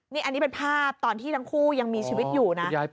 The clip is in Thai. นี่อันนี้เป็นภาพตอนที่ทั้งคู่ยังมีชีวิตอยู่นะ